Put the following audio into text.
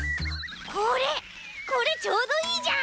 これこれちょうどいいじゃん！